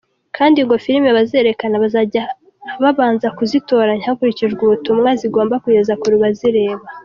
Kandi ngo filime bazerekana bazajya babanza kuzitoranya, hakurikijwe ubutumwa zigomba kugeza ku bazireba.